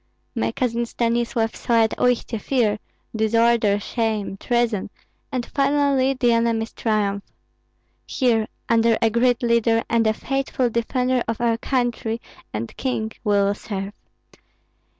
My cousin Stanislav saw at Uistsie fear, disorder, shame, treason, and finally the enemy's triumph. Here under a great leader and a faithful defender of our country and king we will serve.